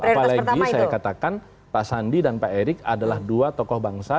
apalagi saya katakan pak sandi dan pak erik adalah dua tokoh bangsa